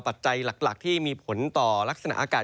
ปัจจัยหลักที่มีผลต่อลักษณะอากาศ